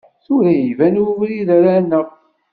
Tura iban ubrid ara naɣ.